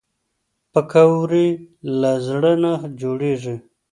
پکورې له زړه نه جوړېږي